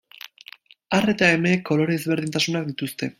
Ar eta emeek kolore ezberdintasunak dituzte.